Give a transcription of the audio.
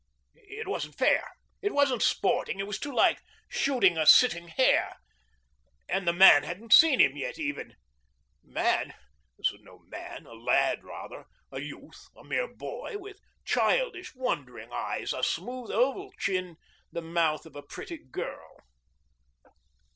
It wasn't fair, it wasn't sporting, it was too like shooting a sitting hare. And the man hadn't seen him even yet. Man? This was no man; a lad rather, a youth, a mere boy, with childish wondering eyes, a smooth oval chin, the mouth of a pretty girl.